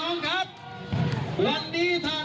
อย่างโนชาศ์กันทั้งปันทีแล้วกันเนี้ย